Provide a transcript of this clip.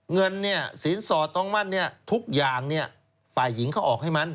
เงินสินสอดต้องมั่นทุกอย่างฝ่ายหญิงเขาออกให้มัน